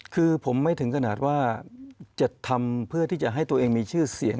คือผมไม่ถึงขนาดว่าจะทำเพื่อที่จะให้ตัวเองมีชื่อเสียง